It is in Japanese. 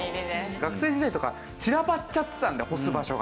学生時代とか散らばっちゃってたんで干す場所が。